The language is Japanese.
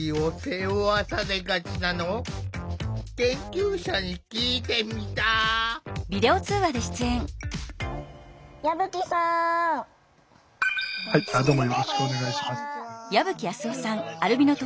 よろしくお願いします。